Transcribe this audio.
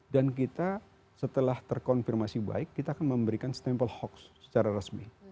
kita setelah terkonfirmasi baik kita akan memberikan stempel hoax secara resmi